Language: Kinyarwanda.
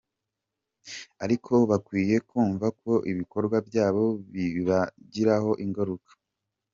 Ariko bakwiye kumva ko ibikorwa byabo bibagiraho ingaruka.